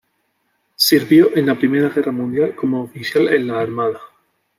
Sirvió en la Primera Guerra Mundial como oficial en la armada.